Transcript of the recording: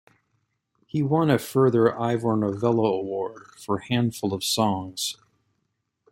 He won a further Ivor Novello award for "Handful of Songs".